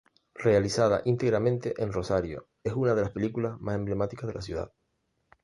Realizada íntegramente en Rosario, es una de las películas más emblemáticas de la ciudad.